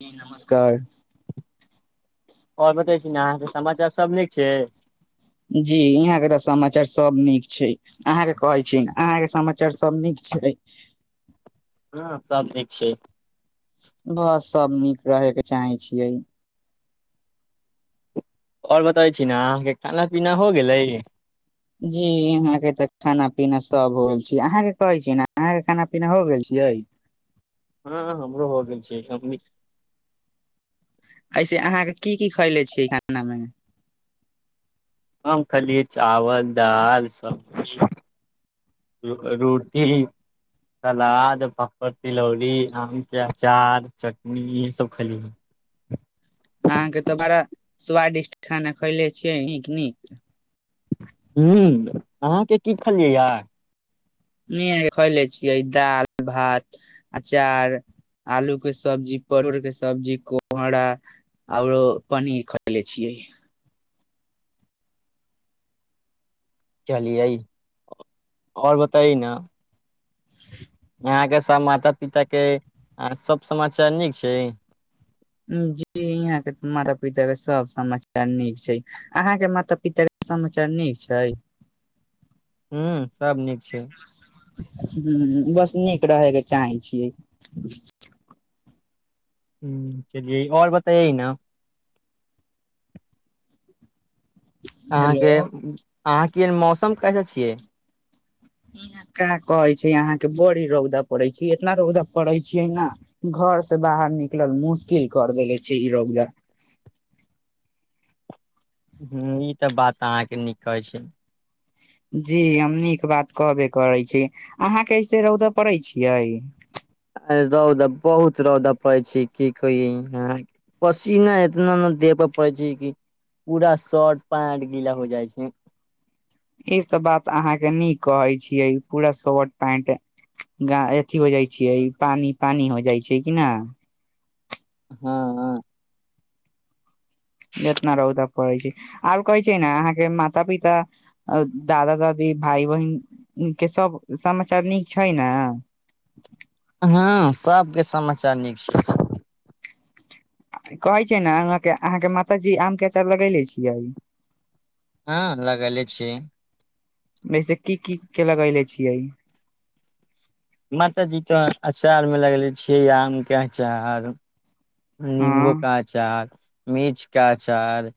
जी नमस्कार और बतै छी ने अहाँके समाचार सभ नीक छै जी यहाँ के तऽ समाचार सब नीक छै अहां के कहे छी ने अहां के समाचार सब नीक छै छै हँ सब नीक छै बस सब नीक रहेके चाहै छियै और बताबै छी ना अहाँके खाना पीना हो गेलै जी यहाँ के तऽ खाना पीना सब होल छै अहा के कहे छी न अहाँ के खाना पीना हो गेल छी यइ हँ हमरो हो गेल छै हम इ ऐसे अहाँके की की खैले छियै खाना मे हम खलियै चावल दाल सब्जी र रोटी सलाद पापड़ तिलौड़ी आम के अचार चटनी इ सब खलियै [inaudible] अहाँके तऽ बड़ा स्वादिष्ट खाना खैले छियै नीक नीक ह अहाँ के की खलियै य नि आके खयले छियै दाल भात अचार आलू के सब्जी परोड़ के सब्जी कोहरा औरो पनीर खले छियै चलियै आ और बतायी न से अहाँ के सब माता पिता के आर सब समाचार नीक छै जी यहाँ के माता पिता के सब समाचार नीक छै अहाँके माता पिता समाचार नीक छै ह्म सभ नीक छै ह्म बस नीक रहयके चाहै छियै ह चलियै और बताएयै न हेलो अहाँके अहाँके मौसम कैसे छियै इहां का कहै छै अहाँके बड़ी रौदा पड़ै छै इतना रौदा पड़ै छै ना घर से बाहर निकलल मुश्किल कर देेले छै ई रौदा ह ई तऽ बात अहाँके नीक कहै छै जी हम नीक बात कहबे करै छी अहाँके ऐसे रौदा पड़ै छियै रौद बहुत रौदा पड़ छै की कहियय अहांके पसीना एतना न देह परै छै कि पूरा शॉर्ट पैंट गीला हो जाइ छै ई त बात अहाँके नीक कहै छियै पूरा शॉर्ट पैंट गा अथि हो जाइ छियै पानि पानि हो जाइ छै कि ना हाँ हाँ एतना रउदा परै छै आर कहै छै ने अहाँके माता पिता दादा दादी भाय बहिन के सब समाचार नीक छै ना हँ सबके [unintelligible] कहै छै ने अहाॅंके अहाँके माताजी आम के अचार लगैले छियै हाँ लगले छियै वैसे की की के लगले छियै माताजी तऽ अचारमे लगले छियै आमके अचार निम्बू हँ केचार मिर्चके अचार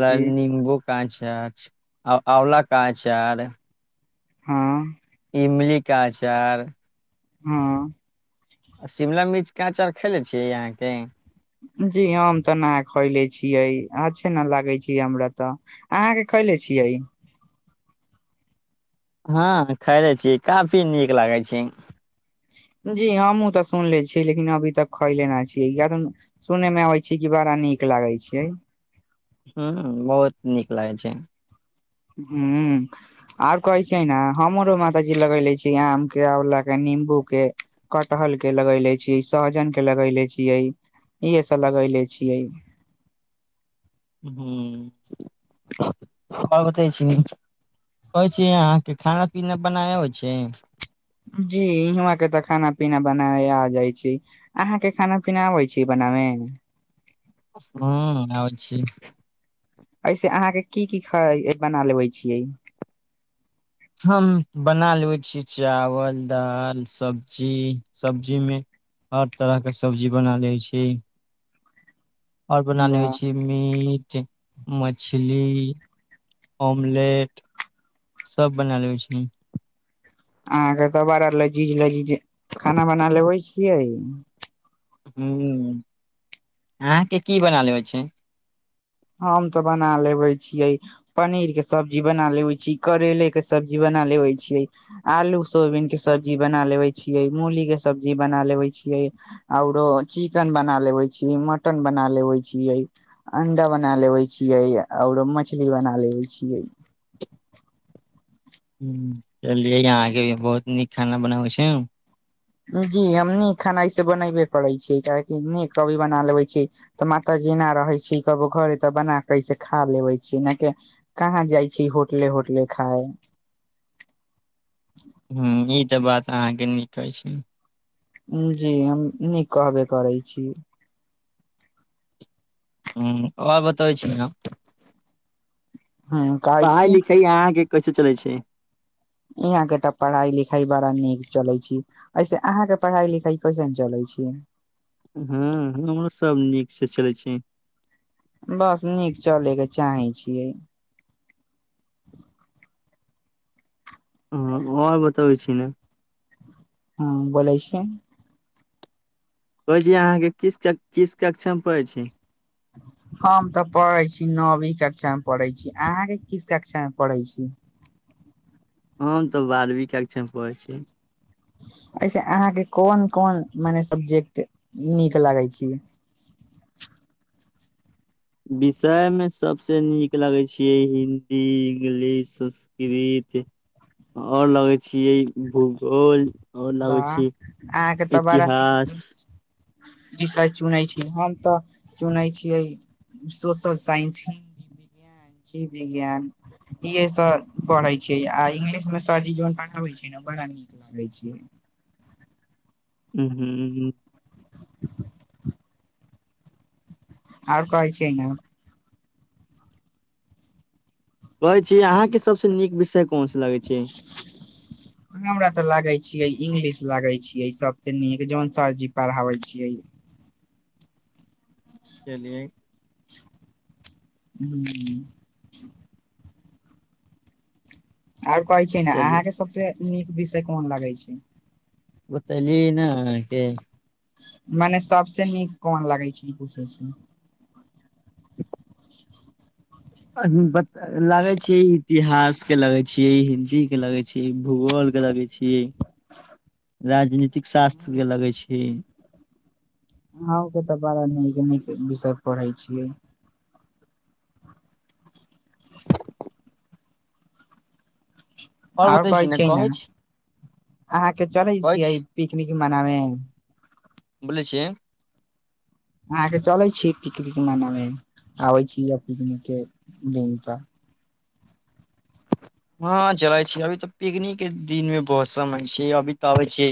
ला जी नीम्बू अचार आँवला क अचार हाँ इमली के अचार हाँ आ शिमला मिर्च के अचार खयले छियै अहाँके जी हम तऽ न खैले छियै अच्छे ने लागे छै हमरा तऽ अहाँके खैले छियै हाँ खैैलै छी काफी नीक लागै छै जी हमहु तऽ सुनले छी लेकिन अभी तक खैले न छी कि त सुनने मे अबै छी कि ब बड़ा नीक लागै छै हाँ हाँ बहुत नीक लागै छै ह्म आर कहै छैै ने हमरो माताजी लगेले छी आम के आंवला के नीम्बू के कटहल के लगेले छीयै सहजन के लगेले छीयै इहे सब लगैले छियै ह्म और बताय छीयै होइ छै अहाँके खाना पीना बनाय हो छै जी यहां के तऽ खाना पीना बना आ जाय छै अहाँ के खाना पीना आबे छै बना आमे ह्म आबै छै ऐसे अहाँके की की खाना बना लेबै छियै हम बना लबै छी चावल दाल सब्जी सब्जीमे हर तरहके सब्जी बना लै छी [inaudible] ओर बना लेवइ वाह छी मीट मछली ऑमलेट सब बना लैवै छै अहाँके द बार लजीज लजीज खाना बना लेबै छियै ह्म अहाँके की बना लेबै छै हम तऽ बना लेबे छीयै पनीर के सब्जी बना लेवे छी करेेले के सब्जी बना बना लेवे छी आलू सोयबीन के सब्जी बना लेवे छीयै मूली के सब्जी बना लेबय छीयै आर चिकन बना लेबै छीयै मटन बना लेेबै छीयै अंडा बना लेबे छियै आओर मछली बना लेबे छियै हाँ चलियै अहाँके बहुत नीक खाना बनाबै छै जी हम नीक खाना ऐसे बनबे करै छी काहि नीक कभी बना लेबे छी तऽ माता जेना रहे छी कबो घरे त बना कैसे खा लेवे छी न के कहाँ जाय छी होटले ओटले होटले खाए ई बात अहाँके नीकै अछि जी हम नीक कहबे करै छी ह्म आर बतबै छी ना ह कहै छी पढ़ाई लिखाई अहाँके कैसे चलै छै यहां के त पढ़ाई लिखाई बड़ा नीक चले छै ऐसे अहां के पढ़ाई लिखाई कैसेन चले छै छै हँ हमरो सभ नीकसँ चलै छी बस नीक चलैके चाहै छियै हँ और बतबै छी ने ह बोलै छियै कहै छी अहाँके किस च किस कक्षा मे पढ़ै छी हम तऽ पढ़ै छी नौवी कक्षा कक्षा मे पढ़ै छी अहाँके किस कक्षा मे पढ़ै छी हम तऽ बारहवीं कक्षा मे पढ़ै छी एहिसे अहाँके कोन कोन मने सबजेक्ट नीक लागै छी [inaudible] विषयमे सबसे नीक लगैत छियै हिन्दी इंग्लिश संस्कृत और लगै छियै भूगोल और लागै वाह छै इतिहास इ शायद चुनै छी हम तऽ चुनै छियै सोशल साइंस हिन्दी विज्ञान जीव विज्ञान इहे सब पढ़ै छै आ इंगलिश में सरजी जोन पढ़ाबे छै न बड़ा नीक लागे छै ह ह हूँ और कहै छै न कहै छियै अहाँके सबसे नीक विषय कोनसा लगै छै लागे छियै इंगलिश लागै छियै सबसे नीक जौन सरजी पढ़ाबै छियै चलियै [inaudible] और कहै छियै न चलि अहाँके सबसे नीक विषय कोन लागै छै बतलिय न अहांके मने सबसे नीक कोन लागै छै ई पूछै छी अ बत लागै छै इतिहास के लागै छियै हिन्दी के लागै छै भूगोल लगै छी राजनीतिक शास्त्र के लगै छी अहोंके तऽ बड़ा नीक नीक विषय पढ़ै छियै [inaudible] आओर और बतै कहै छी ने छै न छी अहाँके चलै कहै छिय छी पिकनिक मनावें बोलै छि अहांके चलै छियै पिकनिक मनावे आबै छियै पिकनिक के दिन त हँ चलै छी अभी तऽ पिकनिक के दिन मे बहुत समय छै अभी तऽ अबै छै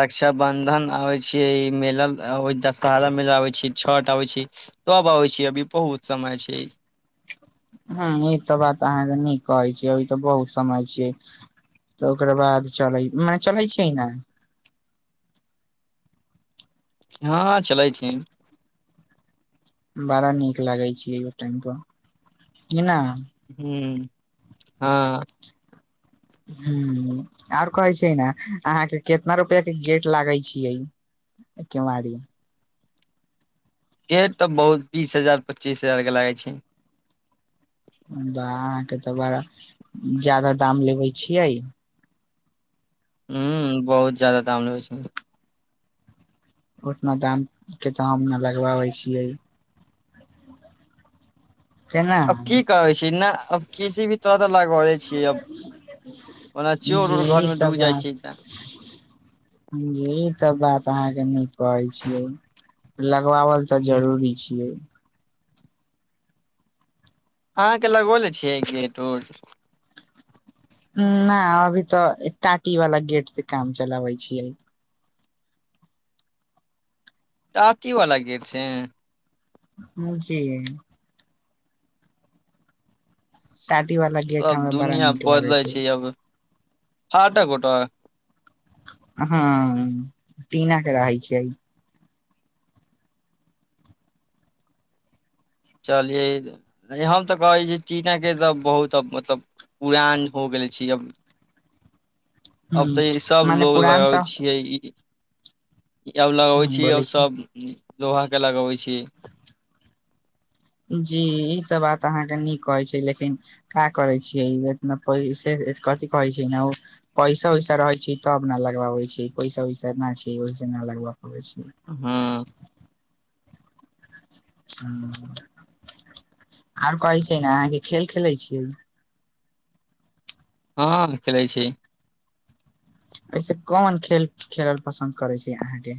रक्षा बंधन आबै छै मेला आबै दशहरा मेला आबै छै छठ आबै छै सब आबै छै अभी बहुत समय छै ह ई तऽ बात अहाँके नीक कहै छै अभी तऽ बहुत समय छियै तऽ ओकरा बाद चलै मैच चलै छै न हँ चलै छी बड़ा नीक लागै छै ओटाइम पर कि न ह्म हँ [inaudible] ह और कहै छै न अहाँके कितना रुपआ के गेट लागै छियै केंवारी गेट तऽ बहुत बीस हजार पच्चीस हजार के लागै छै के तऽ बड़ा जादा दाम लेबे छियै ह्म बहुत जादा दाम लेबै छै उतना दामके तऽ हम ने लगवाबै छियै [inaudible] अब की कहै छि नाह अब किसी भी तरह तऽ लगौले छियै अब ओना चोर उर घर जी मे तऽ ढुक जाइ बात छै तऽ य तऽ बात अहाँके नै कहै छियै लगवावल तऽ जरूरी अहाँ छियै अहाँके लगोले छियै गेट उट ना अभी तऽ एक टाटी वाला गेट से काम चलाबै छियै टाटीवाला गेट सै जी टाटी वाला गेट तब हमरा बड़ा दुनिया नीक लागै बदलै छै अब फाटक ओटक हँ टिना के रहै छैियै चलियै हम तऽ कहै छी टीनाके तऽ बहुत मतलब पुरान हो गेले छी अब ह अब तऽ ई सब मने लोग पुरान लगाबै तऽ छियै ई अब लगबै छी आ सब लोहा के लगबै छी जी ई तऽ बात अहाँके नीक कहै छै लेकिन का करै छियै इतना पैसे कथि कहे छै ने पैसा वैसा रहे छै तब ने लगवाबे छै पैसा वैसा नहि छै केना लगब हँ [unintelligible] आओर कहै छै ने खेल खेलै छि हँ खेलै छी एहिऐसे कोन खेल खेलल पसन्द करैत छै अहाँके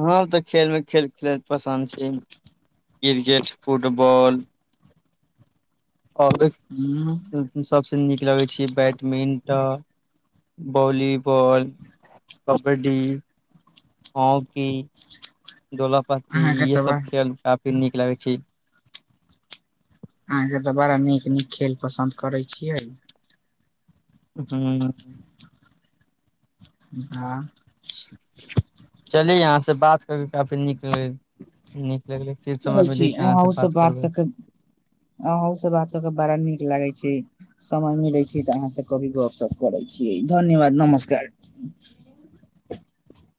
हँ तऽ खेलमे खेल खेलैत पसन्द छी क्रिकेट फुटबाॅल आओर उ सभसँ नीक लगै छै बैडमिंटन भॉलीबॉल कबड्डी हॉकी दोलापत्ती अहाँके इहे तऽ बा सब खेल काफी नीक लगे छै अहाँके तऽ बड़ा नीक नीक खेल पसन्द करै छियै हुं हँ चलि यहाँ से बात करके काफी नीक ले निक चलै छी अहाँ ओ सब बात क के अहाँ ओ सब बात क के बड़ा निक लागै छै समय मिलै छै तऽ अहाँ सब कभी गप सप करै छीयै धन्यवाद नमस्कार [inaudible]